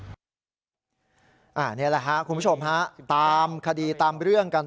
นี่แหละครับคุณผู้ชมฮะตามคดีตามเรื่องกัน